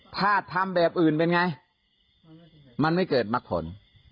ถ้าทำแบบอื่นเป็นไงมันไม่เกิดมักผล